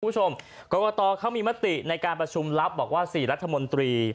คุณผู้ชมกรกตเขามีมติในการประชุมลับบอกว่า๔รัฐมนตรี